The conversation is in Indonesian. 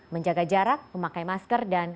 menjaga jarak memakai masker dan